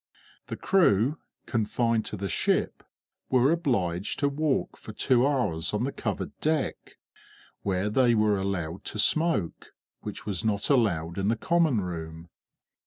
The crew, confined to the ship, were obliged to walk for two hours on the covered deck, where they were allowed to smoke, which was not allowed in the common room.